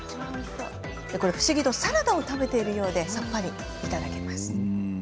不思議とサラダを食べているようでさっぱり、いただけます。